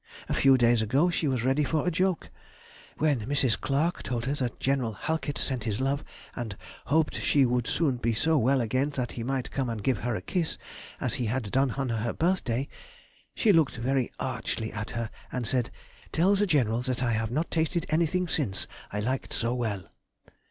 A few days ago she was ready for a joke. When Mrs. Clarke told her that General Halkett sent his love, and "hoped she would soon be so well again that he might come and give her a kiss, as he had done on her birthday," she looked very archly at her, and said, "Tell the General that I have not tasted anything since I liked so well."